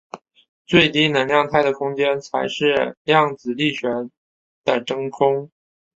最低能量态的空间才是量子力学的真空。